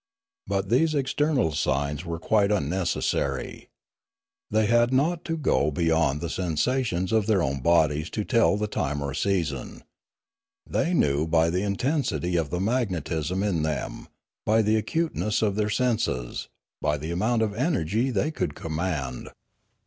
But these external signs were quite unneces My Education Continued 275 sary. They had not to go beyond the sensations of their own bodies to tell the time or season. They knew by the intensity of the magnetism in them, by the acuteness of their senses, by the amount of energy they could command.